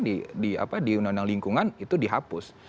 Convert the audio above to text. di apa di undang undang lingkungan itu dihapus